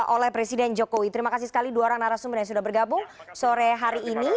oleh presiden jokowi terima kasih sekali dua orang narasumber yang sudah bergabung sore hari ini